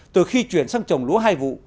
từ khi chuyển sang trồng lúa hai vụ